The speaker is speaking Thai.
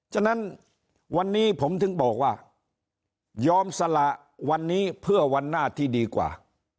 ฉะนั้นวันนี้ผมถึงบอกว่ายอมสละวันนี้เพื่อวันหน้าที่ดีกว่า